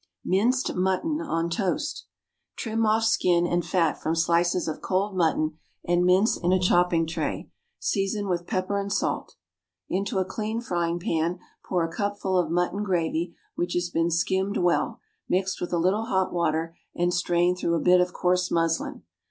Minced Mutton on Toast. Trim off skin and fat from slices of cold mutton and mince in a chopping tray. Season with pepper and salt. Into a clean frying pan, pour a cupful of mutton gravy which has been skimmed well, mixed with a little hot water and strained through a bit of coarse muslin.